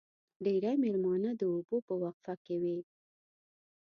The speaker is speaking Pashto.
ډېری مېلمانه د اوبو په وقفه کې وي.